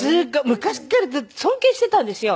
昔から尊敬していたんですよ。